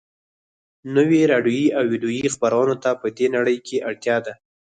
نویو راډیویي او ويډیویي خپرونو ته په دې نړۍ کې اړتیا ده